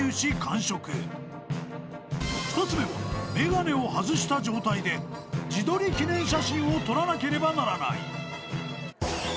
［２つ目は眼鏡を外した状態で自撮り記念写真を撮らなければならない］